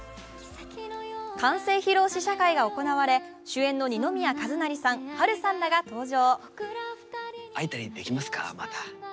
完成披露試写会が行われ、主演の二宮和也さん、波瑠さんらが登場。